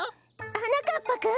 はなかっぱくん！？